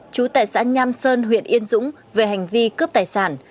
chú tại xã nham sơn huyện yên dũng về hành vi cướp tài sản